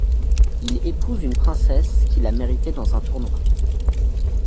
Il épouse une princesse qu'il a méritée dans un tournoi.